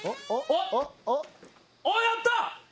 おっやった！